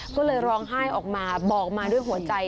ก็เลยร้องไห้ออกมาบอกมาด้วยหัวใจ